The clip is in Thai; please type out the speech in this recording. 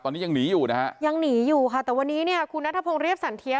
ตอนนี้ยังหนีอยู่นะฮะยังหนีอยู่ค่ะแต่วันนี้เนี่ยคุณนัทพงศ์เรียบสันเทีย